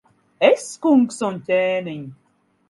Es, kungs un ķēniņ!